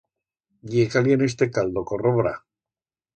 Ye calient este caldo, corrobra.